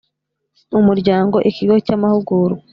umuryango ikigo cy amahugurwa